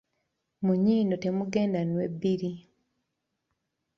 Mu nnyindo temugenda nnwe bbiri.